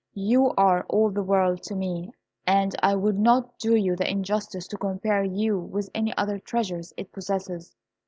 You are all the world to me, and I would not do you the injustice to compare you with any other treasure it possesses.